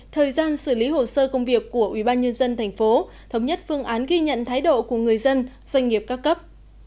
thời gian xử lý hồ sơ công việc của ủy ban nhân dân tp thống nhất phương án ghi nhận thái độ của người dân doanh nghiệp cao cấp